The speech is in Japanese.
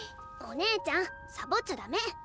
お姉ちゃんサボっちゃダメ！